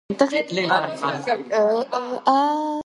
ომი დაიწყო ისრაელის მიერ ეგვიპტეზე თავდასხმით.